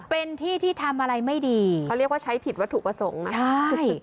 เป็นที่ที่ทำอะไรไม่ดีเขาเรียกว่าใช้ผิดวัตถุประสงค์นะ